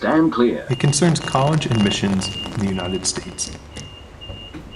It concerns college admissions in the United States.